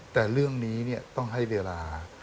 แต่เรื่องนี้ต้องให้เวลา